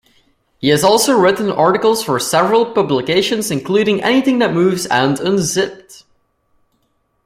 He has also written articles for several publications, including "Anything That Moves" and "Unzipped".